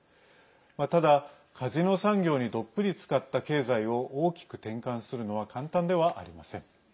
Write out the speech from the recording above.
ただ、カジノ産業にどっぷりつかった経済を大きく転換するのは簡単ではありません。